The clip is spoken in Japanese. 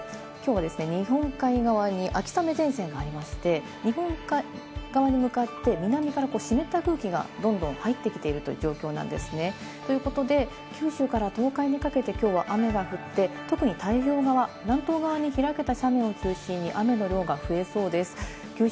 きょうはですね、日本海側に秋雨前線がありまして、日本海側に向かって南から湿った空気がどんどん入ってきているという状況なんですね。ということで、九州から東海にかけてきょうは雨が降って、特に太平洋側は南東側に開けた斜面を中心に雨の量が増えそうです。